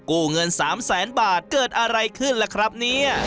เงิน๓แสนบาทเกิดอะไรขึ้นล่ะครับเนี่ย